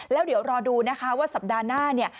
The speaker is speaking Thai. แล้วเดี๋ยวรอดูนะคะว่าสัปดาห์หน้าเนี่ย